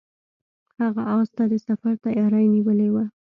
هغه اس ته د سفر تیاری نیولی و.